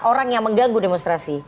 orang yang mengganggu demonstrasi